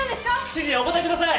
知事お答えください！